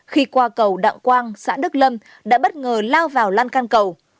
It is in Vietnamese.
khi qua cầu đạm quang xã đức lâm đã bất ngờ lao vào lan can cầu